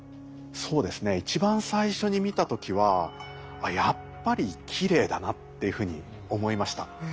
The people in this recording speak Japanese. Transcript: そうですね一番最初に見た時はやっぱりきれいだなっていうふうに思いました。